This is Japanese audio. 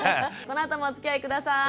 このあともおつきあい下さい。